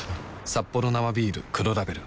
「サッポロ生ビール黒ラベル」